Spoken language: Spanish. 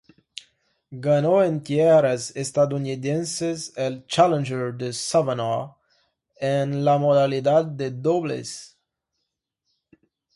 Ganó en tierras estadounidenses el Challenger de Savannah en la modalidad de dobles.